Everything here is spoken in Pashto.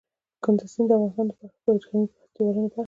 کندز سیند د افغانستان د فرهنګي فستیوالونو برخه ده.